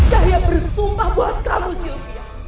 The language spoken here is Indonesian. saya bersumpah buat kamu silvia